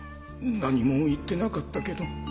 何も言ってなかったけど